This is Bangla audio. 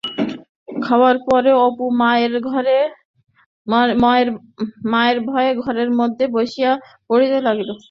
খাওয়ার পরে অপু মায়ের ভয়ে ঘরের মধ্যে বসিয়া পড়িতে লাগিল।